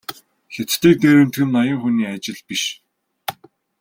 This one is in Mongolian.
Хятадыг дээрэмдэх нь ноён хүний ажил биш.